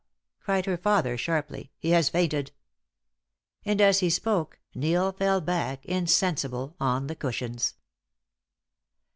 cried her father, sharply. "He has fainted." And as he spoke Neil fell back insensible on the cushions.